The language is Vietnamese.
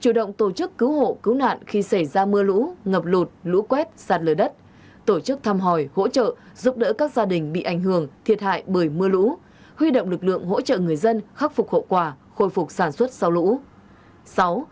chủ động tổ chức cứu hộ cứu nạn khi xảy ra mưa lũ ngập lụt lũ quét sạt lở đất tổ chức thăm hỏi hỗ trợ giúp đỡ các gia đình bị ảnh hưởng thiệt hại bởi mưa lũ huy động lực lượng hỗ trợ người dân khắc phục hậu quả khôi phục sản xuất sau lũ